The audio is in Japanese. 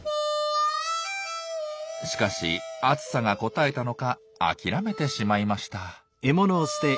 しかし暑さがこたえたのか諦めてしまいました。